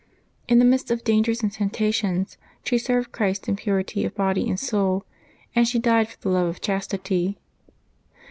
In the midst of dangers and temptations she served Christ in purity of body and soul, and she died for the love of chastity.